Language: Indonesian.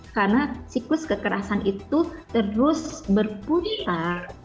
karena siklus kekerasan itu terus berputar